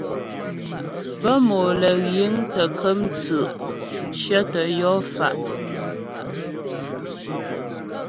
Bə́ mòm lə́ yiŋ tə́ kəm tsʉ̌' cyətə yɔ fa'.